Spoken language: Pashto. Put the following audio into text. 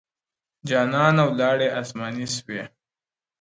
جانانه ولاړې اسماني سوې!.